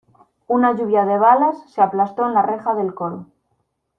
una lluvia de balas se aplastó en la reja del coro.